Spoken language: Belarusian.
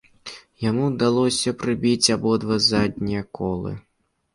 Яму ўдалося прабіць абодва заднія колы.